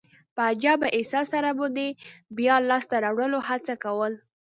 په عجبه احساس سره به دي يي د بیا لاسته راوړلو هڅه کول.